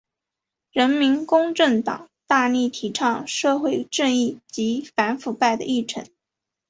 人民公正党大力提倡社会正义及反腐败的议程。